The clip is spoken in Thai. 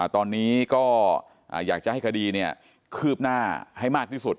ตอนนี้ก็อยากจะให้คดีคืบหน้าให้มากที่สุด